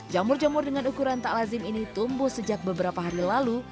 jamur jamur dengan ukuran tak lazim ini tumbuh sejak beberapa hari lalu